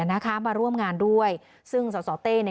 นะคะมาร่วมงานด้วยซึ่งสอสอเต้เนี่ย